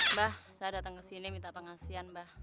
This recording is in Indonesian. mbah saya datang kesini minta pengasian mbah